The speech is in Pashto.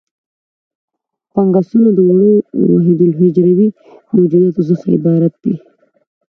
فنګسونه له وړو وحیدالحجروي موجوداتو څخه عبارت دي.